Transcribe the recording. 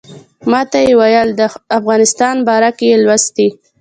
ماته یې ویل د افغانستان باره کې یې لوستي.